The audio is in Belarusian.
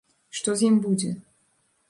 Што з ім будзе?